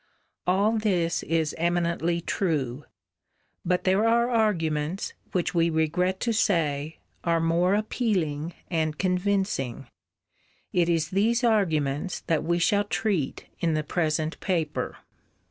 All this is eminently true. But there are arguments, which we regret to say, are more appealing and convincing. It is these arguments that we shall treat in the present paper.